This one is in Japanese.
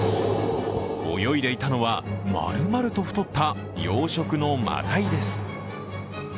泳いでいたのはまるまると太った養殖のマダイです。